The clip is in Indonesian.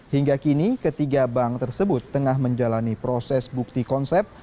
hingga kini ketiga bank tersebut tengah menjalani proses bukti konsep